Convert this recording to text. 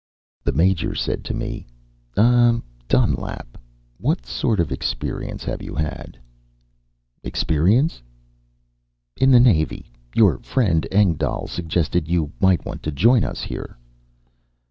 The Major said to me: "Ah, Dunlap. What sort of experience have you had?" "Experience?" "In the Navy. Your friend Engdahl suggested you might want to join us here."